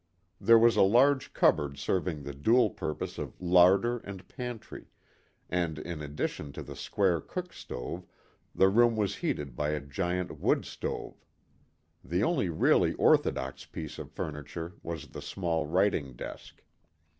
There was a large cupboard serving the dual purpose of larder and pantry, and, in addition to the square cook stove, the room was heated by a giant wood stove. The only really orthodox piece of furniture was the small writing desk.